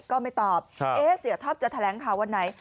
ก็ไม่ตอบเสียท็อปจะแถลงข่าววันไหน